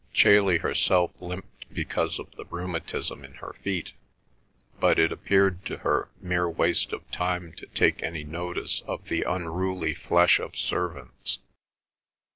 Chailey herself limped because of the rheumatism in her feet, but it appeared to her mere waste of time to take any notice of the unruly flesh of servants.